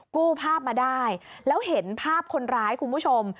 กู้ภาพมาได้แล้วเห็นภาพคนร้ายคุณผู้ชม